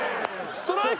ストライク。